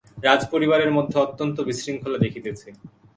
রাজপরিবারের মধ্যে অত্যন্ত বিশৃঙ্খলা দেখিতেছি!